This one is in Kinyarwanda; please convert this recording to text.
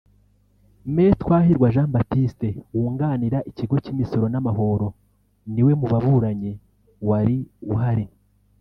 Me Twahirwa Jean Baptiste wunganira Ikigo cy’Imisoro n’Amahoro ni we mu baburanyi wari uhari